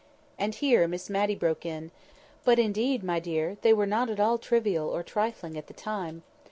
And here Miss Matty broke in with— "But, indeed, my dear, they were not at all trivial or trifling at the time.